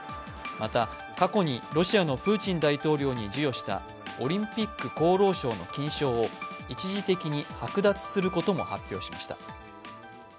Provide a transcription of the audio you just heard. また、過去にロシアのプーチン大統領に授与したオリンピック功労章の金章を一時的にはく奪することも発表しました。